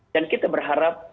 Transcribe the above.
dan kita berharap